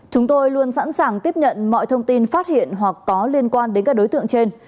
chúng tôi luôn sẵn sàng tiếp nhận mọi thông tin phát hiện hoặc có liên quan đến các đối tượng trên